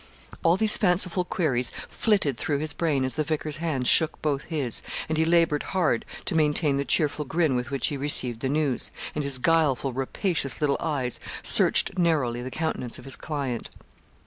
All these fanciful queries flitted through his brain as the vicar's hands shook both his, and he laboured hard to maintain the cheerful grin with which he received the news, and his guileful rapacious little eyes searched narrowly the countenance of his client.